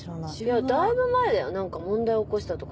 だいぶ前だよ問題起こしたとか。